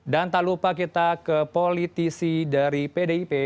dan tak lupa kita ke politisi dari pdip